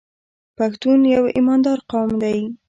پښتون یو ایماندار قوم دی.